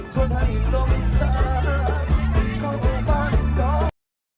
สวัสดีครับทุกคน